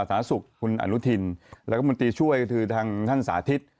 สาธารณสุขคุณอนุทินแล้วก็มนตรีช่วยคือทางท่านสาธิต